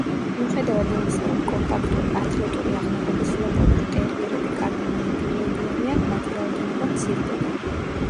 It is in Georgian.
მიუხედავად იმისა, რომ კომპაქტური, ათლეტური აღნაგობის იაპონური ტერიერები კარგი მონადირეები არიან მათი რაოდენობა მცირდება.